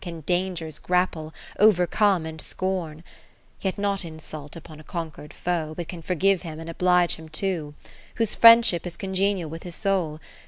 Can dangers grapple, overcome and scorn, Yet not insult upon a conquer'd foe, But can forgive him and oblige him too ; Whose Friendship is congenial with his soul.